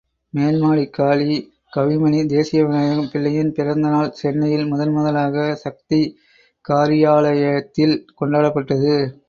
மேல்மாடி காலி கவிமணி தேசிக விநாயகம் பிள்ளைவின் பிறந்த நாள் சென்னையில் முதன் முதலாக சக்தி காரியாலயத்தில் கொண்டாடப்பட்டது.